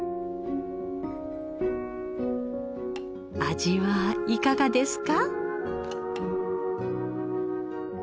味はいかがですか？